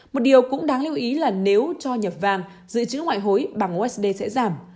một điều cũng đáng lưu ý là nếu cho nhập vàng dự trữ ngoại hối bằng usd sẽ giảm